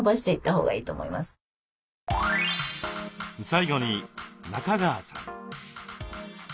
最後に中川さん。